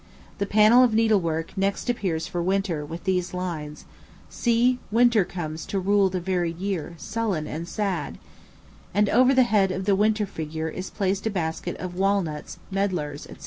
The panel of needlework next appears for Winter, with these lines: "See! Winter comes to rule the varied year, Sullen and sad;" and over the head of the Winter figure is placed a basket of walnuts, medlars, &c.